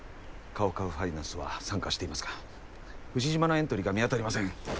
カウカウファイナンスは参加していますが丑嶋のエントリーが見当たりません。